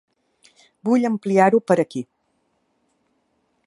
Vull ampliar-ho per aquí.